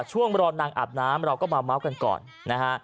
ช่วงรอนางอาบน้ำเราก็มาเมาส์กันก่อนนะฮะ